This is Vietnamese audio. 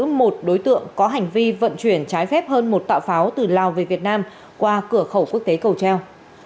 một đối tượng có hành vi vận chuyển trái phép hơn một tạ pháo từ lào về việt nam qua cửa khẩu quốc tế cầu treo